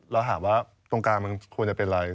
เราถามว่าตรงกลางมันควรจะเป็นอะไร